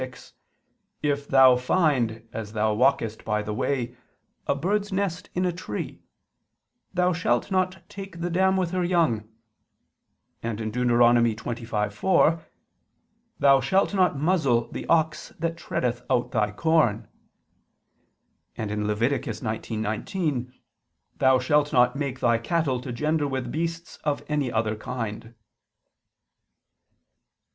22:6): "If thou find, as thou walkest by the way, a bird's nest in a tree ... thou shalt not take the dam with her young"; and (Deut. 25:4): "Thou shalt not muzzle the ox that treadeth out thy corn"; and (Lev. 19:19): "Thou shalt not make thy cattle to gender with beasts of any other kind."